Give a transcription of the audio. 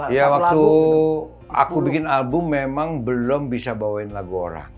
ya waktu aku bikin album memang belum bisa bawain lagu orang